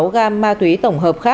bảy mươi sáu gam ma túy tổng hợp